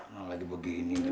mau lagi begini juga